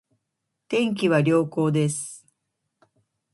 天気は良好です